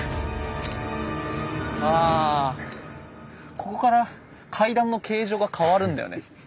ここから階段の形状が変わるんだよね。